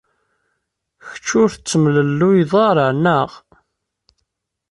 Kečč ur tettemlelluyed ara, naɣ?